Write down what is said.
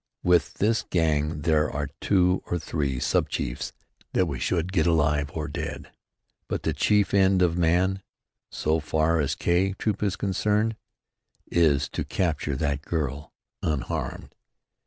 With this gang there are two or three sub chiefs that we should get, alive or dead, but the chief end of man, so far as 'K' Troop's concerned, is to capture that girl, unharmed."